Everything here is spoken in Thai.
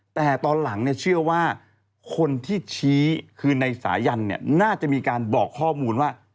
แต่ตอนหลังเชื่อว่าคนที่ชี้คือในสายันเนี่ยน่าจะมีการบอกข้อมูลว่า